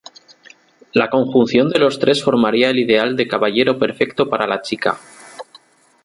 La conjunción de los tres formaría el ideal de caballero perfecto para la chica.